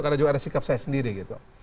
karena juga ada sikap saya sendiri gitu